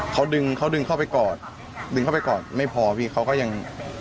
เขาดึงเขาดึงเข้าไปกอดดึงเข้าไปกอดไม่พอพี่เขาก็ยัง